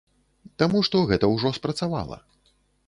Таму што гэта ўжо спрацавала.